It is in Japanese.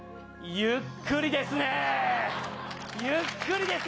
ゆっくりですね。